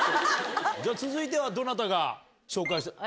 じゃあ、続いては、どなたが紹介して。